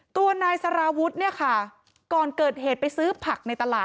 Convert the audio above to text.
ตัวนายสารวุฒิเนี่ยค่ะก่อนเกิดเหตุไปซื้อผักในตลาด